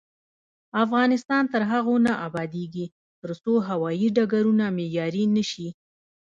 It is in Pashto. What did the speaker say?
افغانستان تر هغو نه ابادیږي، ترڅو هوايي ډګرونه معیاري نشي.